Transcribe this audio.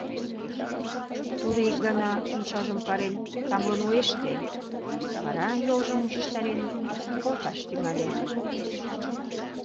Тудо ик гана, умшажым карен, тамлын уэште, вара йолжым мучыштарен колташ тӱҥале.